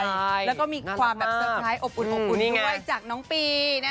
แล้วก็มีความแบบเซอร์ไพรส์อบอุ่นอบอุ่นด้วยจากน้องปี